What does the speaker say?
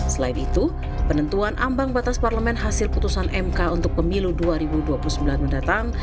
selain itu penentuan ambang batas parlemen hasil putusan mk untuk pemilu dua ribu dua puluh sembilan mendatang